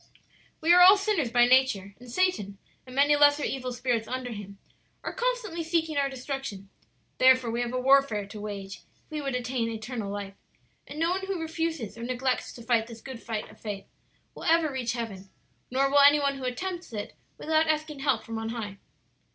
"We are all sinners by nature, and Satan, and many lesser evil spirits under him, are constantly seeking our destruction; therefore we have a warfare to wage if we would attain eternal life, and no one who refuses or neglects to fight this good fight of faith will ever reach heaven; nor will any one who attempts it without asking help from on high.